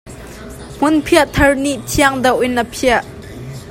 Hmunphiah thar nih thiang deuh in a phiah.